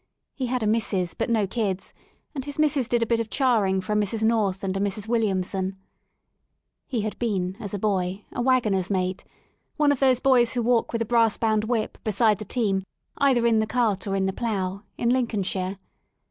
He had a missis but no kids, and his missis did a bit of charing for a Mrs, North and a Mrs. Williamson, He had been, as a boy, a wagon er*s mate — one of those boys who walk with a brass bound whip beside a team either in the cart or in the plough — in Lincolnshire.